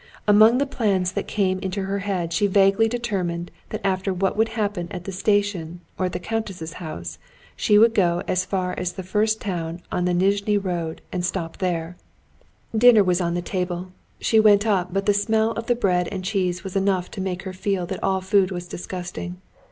Among the plans that came into her head she vaguely determined that after what would happen at the station or at the countess's house, she would go as far as the first town on the Nizhni road and stop there. Dinner was on the table; she went up, but the smell of the bread and cheese was enough to make her feel that all food was disgusting.